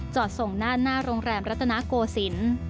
จอดส่งหน้าโรงแรมรัฐนาโกศิลป์